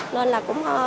nên là cũng